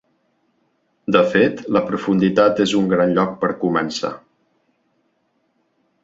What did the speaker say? De fet, la profunditat és un gran lloc per començar.